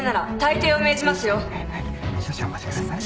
少々お待ちください。